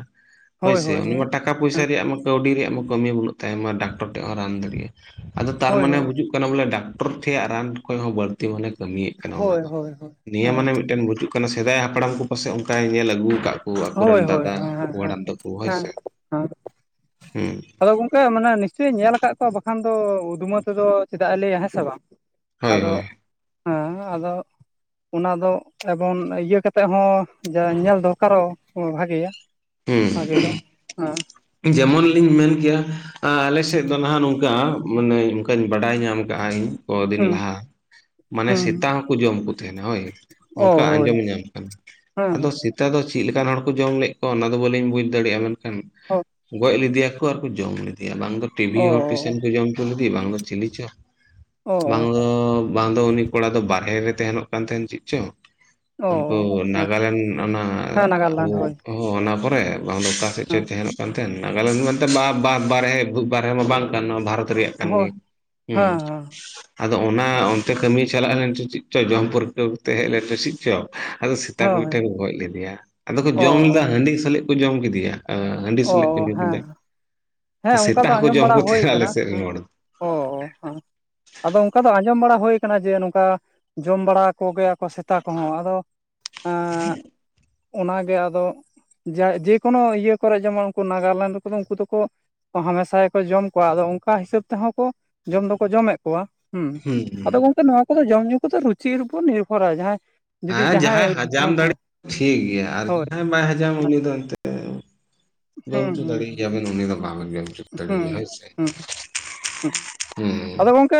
ᱦᱳᱭ ᱥᱮ ᱩᱱᱤ ᱴᱟᱠ ᱴᱟᱠᱟ ᱯᱚᱭᱥᱟᱹ
ᱦᱮᱸ
ᱨᱮᱭᱟᱜ ᱢᱟ ᱠᱟᱹᱣᱰᱤ ᱨᱮᱭᱟᱜ ᱢᱟ ᱠᱟᱹᱢᱤ ᱵᱟᱹᱱᱩᱜ ᱛᱟᱭ ᱢᱟ ᱰᱟᱠᱛᱚᱨ ᱴᱷᱮᱡ ᱦᱚᱸ ᱨᱟᱱ ᱫᱟᱲᱮᱭᱟᱜᱼᱟ᱾ ᱟᱫᱚ
ᱦᱳᱭ
ᱛᱟᱨᱢᱟᱱᱮ
ᱦᱳᱭ
ᱵᱩᱡᱩᱜ ᱠᱟᱱᱟ ᱠᱟᱱᱟ ᱵᱚᱞᱮ ᱰᱟᱠᱴᱚᱨ ᱴᱷᱮᱡᱭᱟᱜ ᱨᱟᱱ ᱠᱷᱚᱡ ᱦᱚᱸ ᱵᱟᱹᱲᱛᱤ ᱢᱟᱱᱮ ᱠᱟᱹᱢᱤᱭᱮᱫ ᱠᱟᱱᱟ ᱚᱱᱟ
ᱦᱳᱭ
ᱫᱚ᱾
ᱦᱳᱭ ᱦᱳᱭ
ᱱᱤᱭᱟᱹ
ᱦᱮᱸ
ᱢᱟᱱᱮ ᱢᱤᱫᱴᱮᱱ ᱵᱩᱡᱩᱜ ᱠᱟᱱᱟ, ᱥᱮᱫᱟᱭ ᱦᱟᱯᱲᱟᱢ ᱠᱚ ᱯᱟᱥᱮᱡ ᱚᱱᱠᱟᱭ ᱧᱮᱞ ᱟᱹᱜᱩ ᱟᱠᱟᱫ ᱠᱚ ᱛᱟᱦᱮᱸ᱾ ᱠᱚ ᱟᱠᱚ ᱨᱮᱱ
ᱦᱳᱭ ᱦᱳᱭ
ᱫᱟᱫᱟ,
ᱦᱮᱸ
ᱟᱠᱚ
ᱦᱮᱸ
ᱦᱟᱲᱟᱢ ᱛᱟᱠᱚ ᱦᱳᱭ ᱥᱮ, ᱦᱮᱸ᱾
ᱛᱮ ᱢᱟᱱᱮ ᱱᱤᱥᱪᱚᱭ ᱧᱮᱞ ᱟᱠᱟᱫ ᱠᱚᱣᱟ, ᱵᱟᱠᱷᱟᱱ ᱫᱚ ᱩᱫᱷᱢᱟᱹ ᱛᱮᱫᱚ ᱪᱮᱫᱟᱜ ᱮ ᱞᱟᱹᱭᱟ ᱦᱮᱸ ᱥᱮ ᱵᱟᱝ?
ᱦᱳᱭ
ᱟᱫᱚ
ᱦᱳᱭ
ᱦᱮᱸ ᱟᱫᱚ ᱚᱱᱟ ᱫᱚ ᱮᱵᱚᱝ ᱤᱭᱟᱹ ᱠᱟᱛᱮ ᱦᱚᱸ ᱡᱟ ᱧᱮᱞ ᱫᱚᱨᱠᱟᱨᱚᱜ ᱦᱚ ᱵᱷᱟᱜᱮᱭᱟ
ᱦᱩᱸ
ᱵᱷᱟᱜᱮ ᱫᱚ, ᱦᱮᱸ᱾
ᱡᱮᱢᱚᱱ ᱞᱤᱧ ᱢᱮᱱ ᱠᱮᱭᱟ ᱟ ᱟᱞᱮ ᱥᱮᱫ ᱫᱚ ᱱᱟᱦᱟᱜ ᱱᱚᱝᱠᱟ ᱢᱟᱱᱮ ᱚᱱᱠᱟᱧ ᱵᱟᱰᱟᱭ ᱧᱟᱢ ᱠᱟᱜᱼᱟ ᱤᱧ᱾ ᱠᱚᱫᱤᱱ
ᱦᱩᱸ
ᱞᱟᱦᱟ ᱢᱟᱱᱮ
ᱦᱩᱸ
ᱥᱮᱛᱟ ᱦᱚᱸᱠᱚ ᱡᱚᱢ ᱠᱚ᱾ ᱛᱟᱦᱮᱱᱟ ᱦᱳᱭ,
ᱚ
ᱚᱱᱠᱟ
ᱦᱳᱭ
ᱟᱸᱡᱚᱢ ᱧᱟᱢ ᱠᱟᱱᱟ᱾
ᱦᱮᱸ
ᱟᱫᱚ
ᱦᱮᱸ
ᱥᱮᱛ ᱱᱮᱛᱟ ᱫᱚ ᱪᱮᱫ ᱞᱮᱠᱟᱱ ᱦᱚᱲ ᱠᱚ ᱡᱚᱢ ᱞᱮᱫ ᱠᱚᱣᱟ ᱚᱱᱟ ᱫᱚ ᱵᱟᱹᱞᱤᱧ ᱵᱩᱡᱽ ᱫᱟᱲᱮᱭᱟᱜᱼᱟ ᱢᱮᱱᱠᱷᱟᱱ
ᱦᱳ᱾
ᱜᱚᱡ ᱞᱮᱫᱮᱭᱟᱠᱚ ᱟᱨᱠᱩ ᱡᱚᱢ ᱞᱮᱫᱮᱭᱟ, ᱵᱟᱝ ᱫᱚ ᱴᱤᱵᱷᱤ ᱦᱚᱲ ᱯᱤᱥᱮᱱ
ᱚ
ᱠᱚ ᱡᱚᱢ ᱵᱟᱝᱨᱤ ᱵᱟᱝ ᱫᱚ ᱪᱤᱞᱤ ᱪᱚ, ᱵᱟᱝ ᱫᱚ ᱵᱟᱝ ᱫᱚ ᱩᱱᱤ ᱠᱚᱲᱟ ᱫᱚ ᱵᱟᱨᱦᱮ ᱨᱮ ᱛᱟᱦᱮᱱᱚᱜ ᱠᱟᱱ ᱛᱟᱦᱮᱸᱱ ᱪᱮᱫ ᱪᱚ?
ᱚ
ᱩᱱᱠᱩ
ᱦᱮᱸ
ᱱᱟᱜᱟᱞᱮᱱᱰ ᱚᱱᱟ
ᱦᱮᱸ ᱱᱟᱜᱟᱨᱞᱮᱱᱰ
ᱟᱵᱚ
ᱦᱳᱭ
ᱚᱦᱚ ᱚᱱᱟ ᱠᱚᱨᱮ ᱵᱟᱝ ᱫᱚ ᱚᱠᱟ ᱥᱮᱫ ᱪᱚᱭ
ᱦᱮᱸ
ᱛᱟᱦᱮᱱᱚᱜ ᱛᱮᱱ ᱱᱟᱜᱟᱞᱮᱱᱰ ᱢᱮᱱᱛᱮ ᱵᱟ-ᱵᱟ-ᱵᱟᱨᱦᱮ ᱵᱷᱩ ᱵᱟᱨᱦᱮ ᱢᱟ ᱵᱟᱝ ᱠᱟᱱ ᱱᱚᱣᱟ ᱵᱷᱟᱨᱚᱛ ᱨᱮᱭᱟᱜ ᱠᱟᱱ
ᱦᱳᱭ
ᱜᱮ, ᱦᱩᱸ᱾
ᱦᱮᱸ ᱦᱮᱸ
ᱟᱫᱚ
ᱚ
ᱚᱱᱟ ᱚᱱᱛᱮ ᱠᱟᱹᱢᱤᱭ ᱪᱟᱞᱟᱜ ᱞᱮᱱ ᱪᱚ ᱪᱮᱫ ᱪᱚᱭ ᱡᱚᱢ ᱯᱟᱹᱨᱠᱟᱹᱣ ᱠᱟᱛᱮ ᱦᱮᱡ ᱞᱮᱱ ᱯᱟᱹᱥᱤᱡ ᱪᱚ᱾ ᱟᱫᱚ ᱥᱮᱛᱟ ᱠᱚ
ᱦᱳᱭ
ᱢᱤᱫᱴᱮᱱ ᱠᱚ ᱜᱚᱡ ᱞᱮᱫᱮᱭᱟ, ᱟᱫᱚ ᱠᱚ
ᱚ
ᱡᱚᱢ ᱞᱮᱫᱟ ᱦᱟᱺᱰᱤ ᱥᱟᱞᱤᱡ ᱠᱚ ᱡᱚᱢ ᱠᱮᱫᱮᱭᱟ᱾
ᱚ
ᱯᱟᱞᱮᱫ ᱠᱚ
ᱚ
ᱧᱩ
ᱦᱮᱸ
ᱠᱮᱫᱟ᱾
ᱦᱮᱸ ᱚᱱᱠᱟ
ᱥᱮᱛᱟ
ᱫᱚ
ᱦᱚᱸᱠᱚ
ᱟᱸᱡᱚᱢ
ᱡᱚᱢ
ᱵᱟᱲᱟ
ᱠᱚ
ᱦᱳᱭ
ᱛᱟᱦᱮᱸᱱᱟ ᱟᱞᱮ
ᱠᱟᱱᱟ
ᱥᱮᱫ ᱨᱮᱱ
ᱦᱮᱸ
ᱦᱚᱲ ᱫᱚ᱾
ᱚ ᱦᱮᱸ ᱟᱫᱚ ᱚᱱᱠᱟ ᱫᱚ ᱟᱸᱡᱚᱢ ᱵᱟᱲᱟ ᱦᱩᱭ ᱟᱠᱟᱱᱟ ᱡᱮ ᱱᱚᱝᱠᱟ ᱡᱚᱢ ᱵᱟᱲᱟ ᱠᱚᱜᱮᱭᱟᱠᱚ ᱥᱮᱛᱟ ᱠᱚᱦᱚᱸ ᱟᱫᱚ ᱮᱸᱜ ᱚᱱᱟ ᱜᱮ ᱟᱫᱚ ᱡᱟᱭ ᱡᱮᱠᱳᱱᱳ ᱤᱭᱟᱹ ᱠᱚᱨᱮ ᱡᱮᱢᱚᱱ ᱩᱱᱠᱩ ᱱᱟᱜᱟᱞᱮᱱᱰ ᱨᱮ ᱠᱚᱫᱚ ᱩᱱᱠᱩ ᱫᱚᱠᱚ ᱠᱟ ᱦᱟᱢᱮᱥᱟ ᱜᱮᱠᱚ ᱡᱚᱢ ᱠᱚᱣᱟ, ᱟᱫᱚ ᱚᱱᱠᱟ ᱦᱤᱥᱟᱹᱵᱽ ᱛᱮᱦᱚᱸ ᱠᱚ ᱡᱚᱢ ᱫᱚᱠᱚ ᱡᱚᱢᱮᱫ ᱠᱚᱣᱟ᱾ ᱦᱩᱸ, ᱟᱫᱚ ᱜᱚᱝᱠᱮ ᱱᱚᱣᱟ ᱠᱚᱫᱚ ᱡᱚᱢ-ᱧᱩ ᱠᱚᱫᱚ ᱨᱩᱪᱤᱨ ᱩᱯᱚᱨ ᱱᱤᱨᱵᱷᱚᱨᱟ ᱡᱟᱦᱟᱸᱭ
ᱦᱮᱸ, ᱡᱟᱦᱟᱸᱭ ᱦᱟᱡᱟᱢ ᱫᱟᱲᱮ ᱴᱷᱤᱠ ᱜᱮᱭᱟ ᱟᱨ
ᱦᱳᱭ
ᱡᱟᱦᱟᱸᱭ ᱵᱟᱭ ᱦᱟᱡᱟᱢᱟ ᱩᱱᱤ ᱫᱚ ᱮᱱᱛᱮᱫ ᱡᱚᱢ
ᱦᱩᱸ
ᱚᱪᱩ ᱫᱟᱲᱮ
ᱦᱩᱸ
ᱜᱮᱭᱟᱵᱮᱱ ᱩᱱᱤ ᱫᱚ ᱵᱟᱵᱮᱱ ᱡᱚᱢ ᱪᱚ ᱫᱟᱲᱮᱭᱟᱜ
ᱦᱩᱸ
ᱦᱳᱭ ᱥᱮ᱾
ᱦᱩᱸ ᱦᱩᱸ
ᱦᱩᱸ᱾
ᱟᱫᱚ ᱜᱚᱝᱠᱮ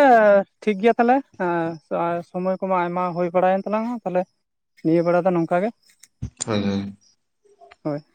ᱴᱷᱤᱠ ᱜᱮᱭᱟ ᱛᱟᱦᱞᱮ ᱥᱚᱢᱚᱭ ᱠᱚᱢᱟ ᱟᱭᱢᱟ ᱦᱩᱭ ᱵᱟᱲᱟᱭᱮᱱ ᱛᱟᱞᱟᱝᱟ ᱛᱟᱦᱞᱮ ᱱᱤᱭᱟᱹ ᱵᱮᱲᱟ ᱫᱚ ᱱᱚᱝᱠᱟ ᱜᱮ।
ᱦᱳᱭ ᱦᱳᱭ᱾
[inaudible] ᱦᱳᱭ ᱾